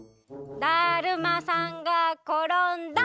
だるまさんがころんだ！